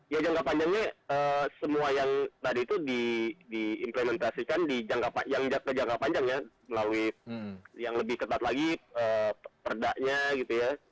yang jangka panjangnya semua yang tadi itu diimplementasikan yang jangka panjangnya melalui yang lebih ketat lagi perdaknya gitu ya